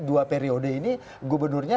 dua periode ini gubernurnya